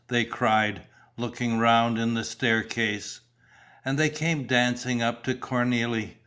they cried, looking round in the staircase. And they came dancing up to Cornélie.